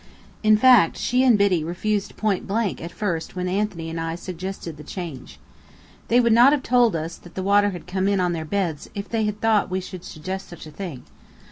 In fact, she and Biddy refused pointblank at first when Anthony and I suggested the change. They would not have told us that the water had come in on their beds if they had thought we would suggest such a thing.